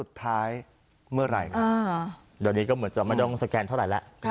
เดี๋ยวนี้ก็เหมือนจะไม่ต้องสแกนเท่าไหร่แล้ว